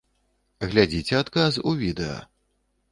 Глядзіце адказ у відэа.